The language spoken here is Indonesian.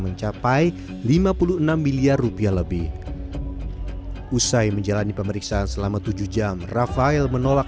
mencapai lima puluh enam miliar rupiah lebih usai menjalani pemeriksaan selama tujuh jam rafael menolak